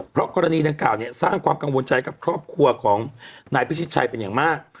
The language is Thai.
เพราะกรณีดังกล่าวเนี่ยสร้างความกังวลใจกับครอบครัวของนายพิชิตชัยเป็นอย่างมาก